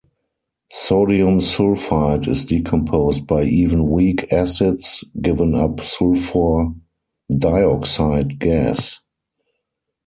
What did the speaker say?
Sodium sulfite is decomposed by even weak acids, giving up sulfur dioxide gas.